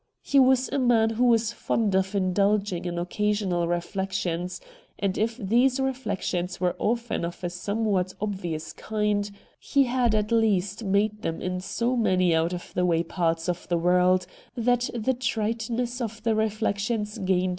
He was a man who was fond of indulging in occasional reflections, and if these reflections were often of a some what obvious kind, he had at least made them in so many out of the way parts of the world that the triteness of the reflections gained a WHAT HAPPENED IN ST.